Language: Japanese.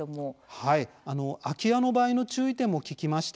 空き家の場合の注意点も聞きました。